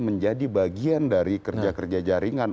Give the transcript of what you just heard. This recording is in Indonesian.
menjadi bagian dari kerja kerja jaringan